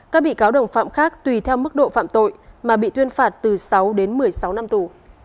các bị cáo đồng phạm khác tùy theo mức độ phạm tội mà bị tuyên phạt từ sáu đến một mươi sáu năm tù